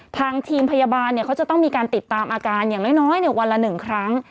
ทางทีมพยาบาลเขาจะต้องมีการติดตามอาการอย่างน้อยวันละ๑ครั้ง